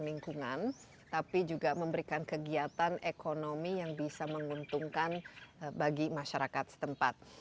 lingkungan tapi juga memberikan kegiatan ekonomi yang bisa menguntungkan bagi masyarakat setempat